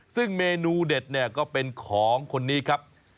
ซึ่งเมนูเด็ดเนี่ยก็เป็นของคนนี้ครับ